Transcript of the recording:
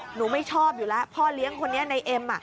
หนูไม่ชอบอยู่แล้วพ่อเลี้ยงคนนี้ในเอ็ม